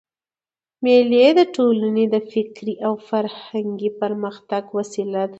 مېلې د ټولني د فکري او فرهنګي پرمختګ وسیله ده.